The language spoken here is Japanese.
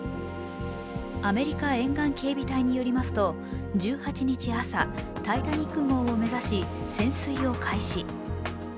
アメリカ沿岸警備隊によりますと、１８日朝、「タイタニック」号を目指し、潜水を開始。